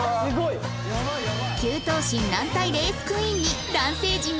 ９頭身軟体レースクイーンに